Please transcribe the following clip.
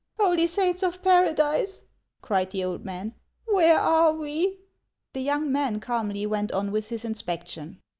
" Holy saints of Paradise !" cried the old man ;" where are we ?" The young man calmly went on with his inspection.